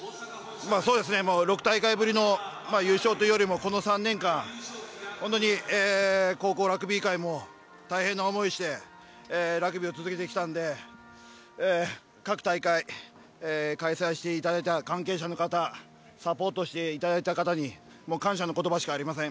◆６大会ぶりの優勝というよりも、この３年間、本当に高校ラグビー界も大変な思いをしてラグビーを続けてきたので、各大会、開催していただいた関係者の方、サポートしていただいた方に、感謝の言葉しかありません。